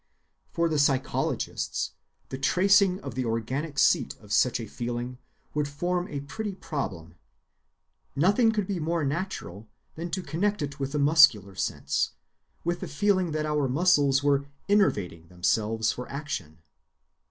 For the psychologists the tracing of the organic seat of such a feeling would form a pretty problem—nothing could be more natural than to connect it with the muscular sense, with the feeling that our muscles were innervating themselves for action.